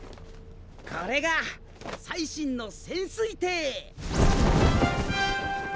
これが最新の潜水艇！